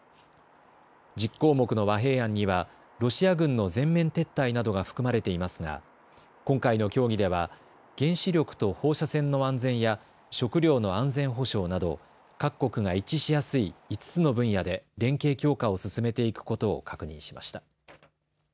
１０項目の和平案にはロシア軍の全面撤退などが含まれていますが今回の協議では原子力と放射線の安全や食料の安全保障など各国が一致しやすい５つの分野で連携強化を進めていくことを確認しました。